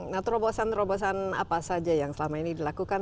nah terobosan terobosan apa saja yang selama ini dilakukan